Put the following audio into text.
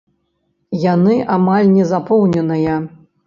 Яны амаль не запоўненыя.